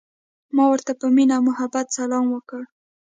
ما ورته په مینه او محبت سلام وکړ.